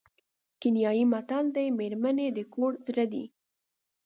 کینیايي متل وایي مېرمنې د کور زړه دي.